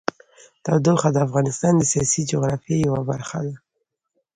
تودوخه د افغانستان د سیاسي جغرافیه یوه برخه ده.